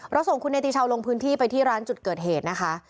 ส่งคุณเนติชาวลงพื้นที่ไปที่ร้านจุดเกิดเหตุนะคะ